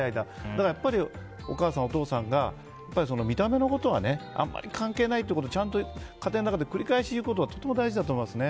だから、やっぱりお母さん、お父さんが見た目のことはあまり関係ないということを家庭の中で繰り返し言うことが大事だと思いますね。